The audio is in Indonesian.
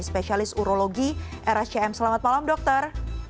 spesialis urologi rscm selamat malam dokter